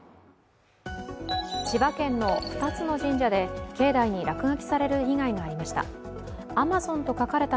千葉県の２つの神社で境内に落書きされる被害がありました。